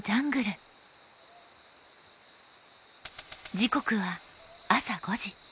時刻は朝５時。